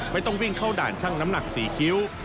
ไม่ต้องวิ่งเข้าด่านช่างน้ำหนัก๔คิ้ว